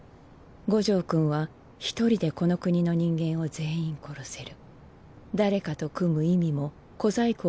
五条君は一人でこの国の人間を全員殺せる。